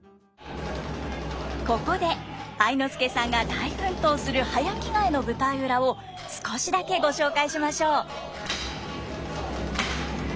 ここで愛之助さんが大奮闘する早着替えの舞台裏を少しだけご紹介しましょう。